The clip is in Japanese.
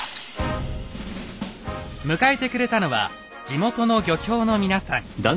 迎えてくれたのは地元の漁協の皆さん。